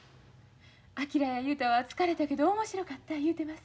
昭や雄太は疲れたけど面白かった言うてます。